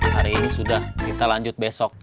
hari ini sudah kita lanjut besok